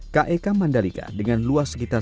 kek mandalika dengan luasnya sepuluh wisatawan